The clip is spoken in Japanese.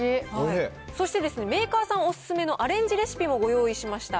そして、メーカーさんお勧めのアレンジレシピをご用意しました。